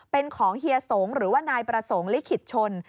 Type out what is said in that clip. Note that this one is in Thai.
เป็นของเฮียสงหรือว่านายประสงค์ลิขิตชน